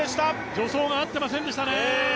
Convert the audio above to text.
助走が合ってませんでしたね。